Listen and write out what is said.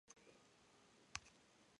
能够完成漫步及部份快步。